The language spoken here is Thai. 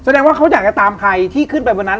แสดงว่าเขาอยากจะตามใครที่ขึ้นไปบนนั้น